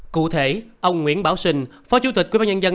cụ thể ông nguyễn bảo sinh phó chủ tịch quyên báo nhân dân